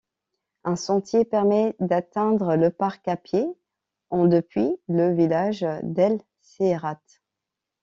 Un sentier permet d'atteindre le parc à pied en depuis le village d'El Serrat.